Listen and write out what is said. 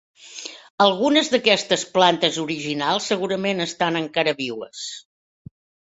Algunes d'aquestes plantes originals segurament estan encara vives.